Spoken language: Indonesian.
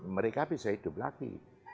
mereka bisa hidup lagi